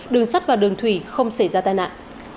đường sắt và đường thủy không xảy ra tai nạn